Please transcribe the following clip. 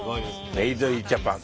メイドインジャパン。